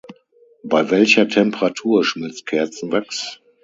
Bei welcher Temperatur schmilzt Kerzenwachs?